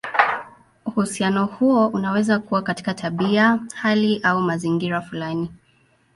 Uhusiano huo unaweza kuwa katika tabia, hali, au mazingira fulani.